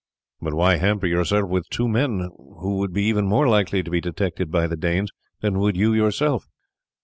"But why hamper yourself with two men, who would be even more likely to be detected by the Danes than would you yourself?"